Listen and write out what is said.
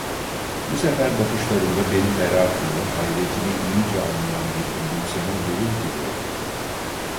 Bu sefer bakışlarında benim merakımı, hayretimi iyice anlayan bir gülümseme görür gibi oldum.